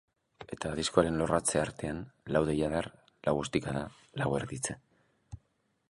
Eta diskoaren lorratzen artean lau deiadar, lau ostikada, lau erditze.